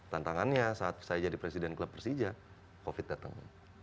tantangannya saat saya jadi presiden klub persija covid datang